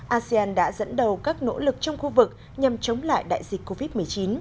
asean đã dẫn đầu các nỗ lực trong khu vực nhằm chống lại đại dịch covid một mươi chín